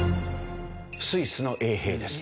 スイスの衛兵です。